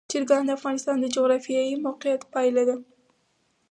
چرګان د افغانستان د جغرافیایي موقیعت پایله ده.